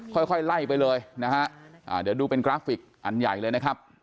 ค่อยไล่ไปเลยนะฮะเดี๋ยวดูเป็นกราฟิกอันใหญ่เลยนะครับ